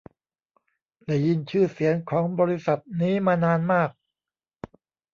ได้ยินชื่อเสียงของบริษัทนี้มานานมาก